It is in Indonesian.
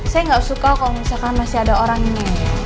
saya nggak suka kalau misalkan masih ada orang ini